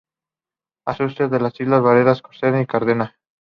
Ausente en las islas Baleares, Córcega y Cerdeña.